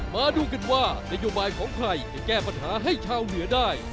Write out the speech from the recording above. มาดูกันว่านโยบายของใครจะแก้ปัญหาให้ชาวเหนือได้